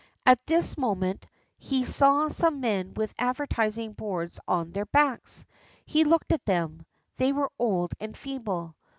At this moment he saw some men with advertising boards on their backs. He looked at them; they were old and feeble.